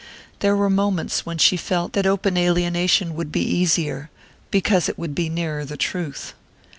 There were moments when she felt that open alienation would be easier, because it would be nearer the truth.